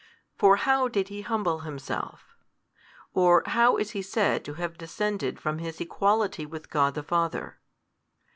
For how did He humble Himself? or how is He said to have descended from His Equality with God the Father?